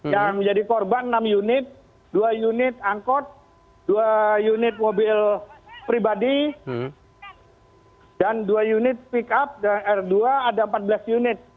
yang menjadi korban enam unit dua unit angkot dua unit mobil pribadi dan dua unit pickup dan r dua ada empat belas unit